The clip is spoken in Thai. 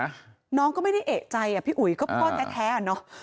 น้องก็ไม่ได้เอกใจอ่ะพี่อุ๋ยก็พ่อแท้อ่ะเนอะ